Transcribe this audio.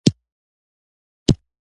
سلسله مراتب د اشنا کېدو لپاره اړینه ده.